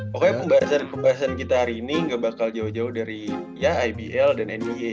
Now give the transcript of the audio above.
pokoknya pembahasan kita hari ini gak bakal jauh jauh dari ya ibl dan nia